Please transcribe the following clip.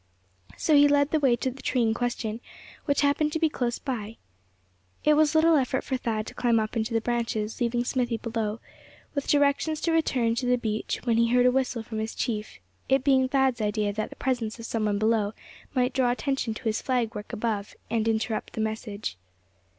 So he led the way to the tree in question, which happened to be close by. It was little effort for Thad to climb up into the branches, leaving Smithy below; with directions to return to the beach when he heard a whistle from his chief; it being Thad's idea that the presence of some one below might draw attention to his flag work above, and interrupt the message.